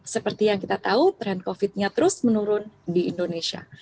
seperti yang kita tahu tren covid nya terus menurun di indonesia